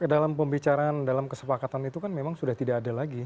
dalam pembicaraan dalam kesepakatan itu kan memang sudah tidak ada lagi